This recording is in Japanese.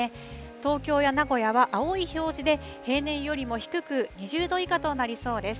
東京や名古屋は、青い表示で平年よりも低く２０度以下となりそうです。